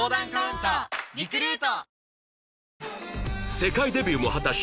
世界デビューも果たし